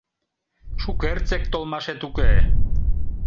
Шукертсек толмашет уке!..